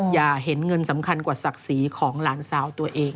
อย่าเห็นเงินสำคัญกว่าศักดิ์ศรีของหลานสาวตัวเอง